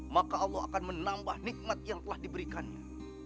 maka allah akan menambah nikmat yang telah diberikannya